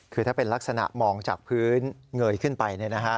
คือถ้าเป็นลักษณะมองจากพื้นเงยขึ้นไปเนี่ยนะคะ